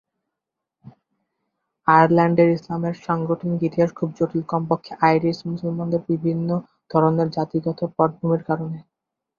আয়ারল্যান্ডের ইসলামের সাংগঠনিক ইতিহাস খুব জটিল, কমপক্ষে আইরিশ মুসলমানদের বিভিন্ন ধরনের জাতিগত পটভূমির কারণে।